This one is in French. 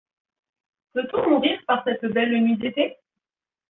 Peut-on mourir par cette belle nuit d’été?